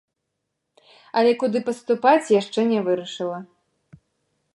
Але куды паступаць, яшчэ не вырашыла.